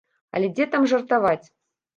Але дзе там жартаваць!